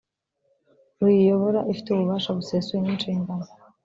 ruyiyobora ifite ububasha busesuye n inshingano